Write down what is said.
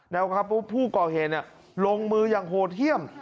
แล้วครับว่าผู้ก่อเหเนี่ยลงมือยังโหดเที่ยม